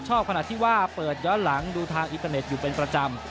ขณะที่ว่าเปิดย้อนหลังดูทางอินเทอร์เน็ตอยู่เป็นประจำ